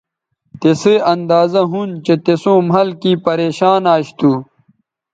تسئ اندازہ ھُون چہء تِسوں مھل کیں پریشان اش تھو